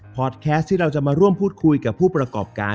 พอดแคสต์ที่เราจะมาร่วมพูดคุยกับผู้ประกอบการ